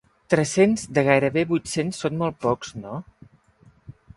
Tres-cents de gairebé vuit-cents són molt pocs, no?